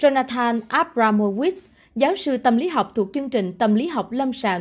jonathan abramowit giáo sư tâm lý học thuộc chương trình tâm lý học lâm sàng